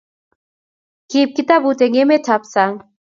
Kiibu kitabut eng emet ab sang